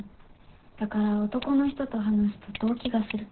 だから男の人と話すと動悸がする。